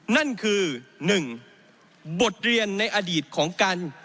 นั่นคือ๑บทเรียนในอดีตของการ